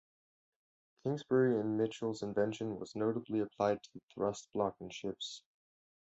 Kingsbury and Michell's invention was notably applied to the thrust block in ships.